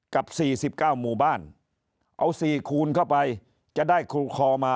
กับ๔๙หมู่บ้านเอาสี่คูณก็ไปจะได้ครูคอมา๓๒๐๐๐